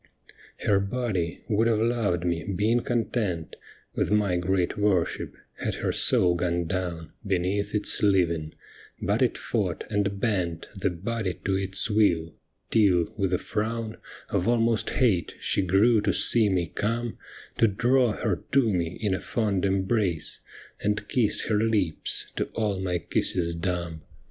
Her body would have loved me, been content With my great worship, had her soul gone down Beneath its living, but it fought and bent The body to its will, till, with a frown Of almost hate, she grew to see me come To draw her to me in a fond embrace, And kiss her lips, to all my kisses dumb.